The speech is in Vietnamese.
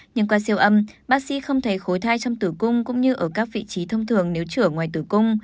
nhưng qua siêu âm bác sĩ không thấy khối thai trong tử cung cũng như ở các vị trí thông thường nếu trở ngoài tử cung